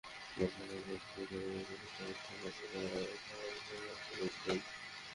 অথচ যেসব পরিস্থিতির কারণে মানুষ আত্মহত্যা করে, তার প্রায় সবই সমাধানযোগ্য।